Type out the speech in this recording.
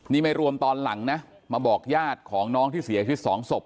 นี่ไม่รวมตอนหลังนะมาบอกญาติของน้องที่เสียชีวิตสองศพ